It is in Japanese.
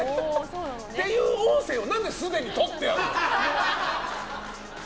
っていう音声を何で、すでにとってあんだ？